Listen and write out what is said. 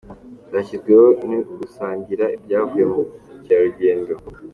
zashyizweho ni ugusangira ibyavuye mu bukerarugendo